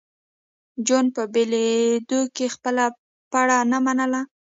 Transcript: جون په بېلېدو کې خپله پړه نه منله